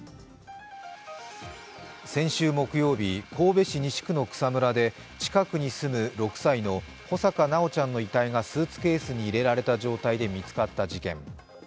先週木曜日、神戸市西区の草むらで近くに住む６歳の穂坂修ちゃんの遺体がスーツケースに入れられた状態で見つかった事件。